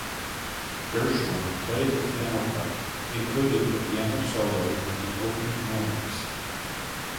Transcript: Gershwin played the piano part, including the piano solo in the opening moments.